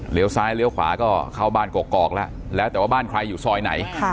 ซ้ายเลี้ยวขวาก็เข้าบ้านกอกแล้วแล้วแต่ว่าบ้านใครอยู่ซอยไหน